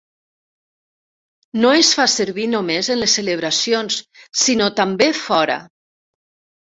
No es fa servir només en les celebracions, sinó també fora.